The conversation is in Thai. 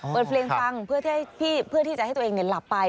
เปิดเพลงฟังเพื่อที่จะให้ตัวเองหลับไป